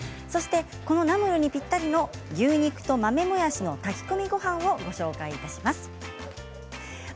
そしてこのナムルにぴったりの牛肉と豆もやしの炊き込みごはんを紹介します。